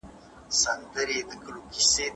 کوم ارزښتونه د یوه خوشحاله او سوکاله ژوند بنسټ دی؟